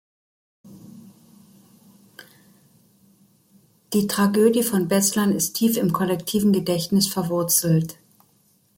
Die Tragödie von Beslan ist tief im kollektiven Gedächtnis verwurzelt.